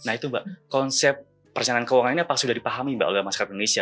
nah itu mbak konsep perjalanan keuangan ini apakah sudah dipahami mbak oleh masyarakat indonesia